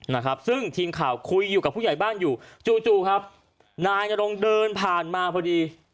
นะครับซึ่งทีมข่าวคุยอยู่กับผู้ใหญ่บ้านอยู่จู่จู่ครับนายนรงเดินผ่านมาพอดี